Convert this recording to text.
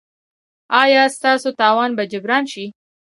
ایا ستاسو تاوان به جبران شي؟